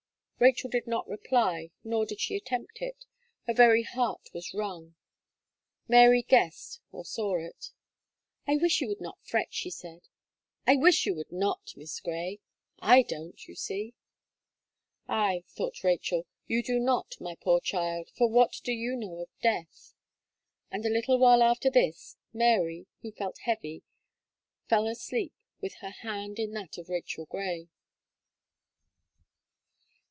Rachel did not reply, nor did she attempt it; her very heart was wrung. Mary guessed, or saw it. "I wish you would not fret," she said, "I wish you would not. Miss Gray. I don't, you see." "Ay," thought Rachel, "you do not, my poor child, for what do you know of death?" And a little while after this, Mary, who felt heavy, fell asleep with her hand in that of Rachel Gray.